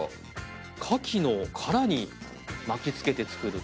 牡蠣の殻に巻きつけて作る。